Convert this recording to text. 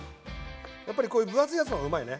やっぱりこういう分厚いやつの方がうまいよね。